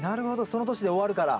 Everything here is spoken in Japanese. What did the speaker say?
その年で終わるから。